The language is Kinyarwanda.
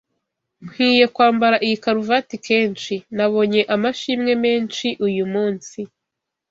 Nkwiye kwambara iyi karuvati kenshi. Nabonye amashimwe menshi uyumunsi.